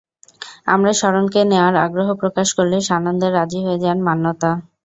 আমরা শরণকে নেওয়ার আগ্রহ প্রকাশ করলে সানন্দে রাজি হয়ে যান মান্যতা।